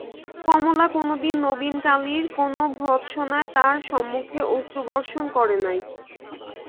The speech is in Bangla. কমলা কোনোদিন নবীনকালীর কোনো ভর্ৎসনায় তাঁহার সম্মুখে অশ্রুবর্ষণ করে নাই।